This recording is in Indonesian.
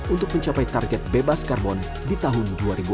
untuk mencapai target bebas karbon di tahun dua ribu dua puluh